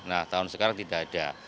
nah tahun sekarang tidak ada